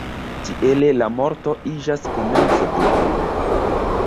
Tiele la morto iĝas komenco de vivo.